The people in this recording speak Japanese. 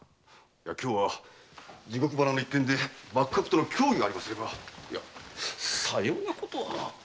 今日は「地獄花」の一件で幕閣との協議がありますればさようなことは。